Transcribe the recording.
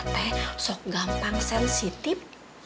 tapi tate sok gampang sensitif